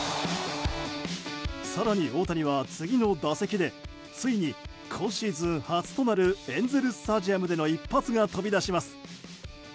更に大谷は次の打席でついに今シーズン初となるエンゼル・スタジアムでの一発が飛び出します。